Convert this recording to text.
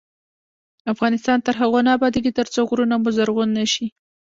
افغانستان تر هغو نه ابادیږي، ترڅو غرونه مو زرغون نشي.